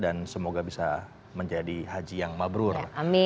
dan semoga bisa menjadi haji yang mabrur